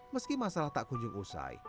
meski masalah tak kunjung usai